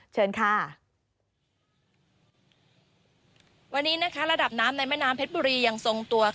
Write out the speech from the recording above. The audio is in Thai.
วันนี้ระดับน้ำในแม่น้ำเพชรบุรียังทรงตัว